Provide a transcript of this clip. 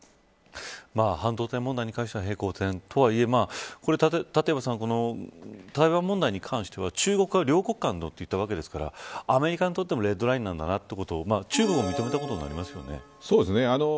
半導体問題に対しては平行線。とはいえ立岩さん、台湾問題に関しては中国側は両国間のといったわけですからアメリカにとってもレッドラインだと中国も認めたことになりますよね。